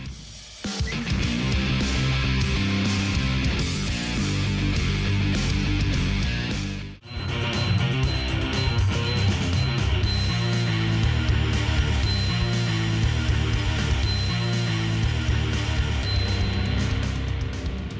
โปรดติดตามตอนต่อไป